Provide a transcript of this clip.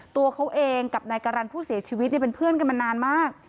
ตัวเขาเองกับนายการันผู้เสียชีวิตเป็นเพื่อนกันมานานมาก